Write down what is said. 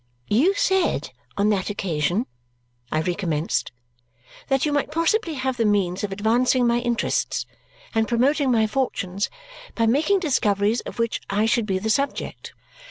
"You said on that occasion," I recommenced, "that you might possibly have the means of advancing my interests and promoting my fortunes by making discoveries of which I should be the subject.